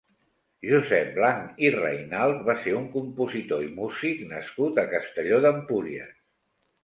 Josep Blanch i Reynalt va ser un compositor i músic nascut a Castelló d'Empúries.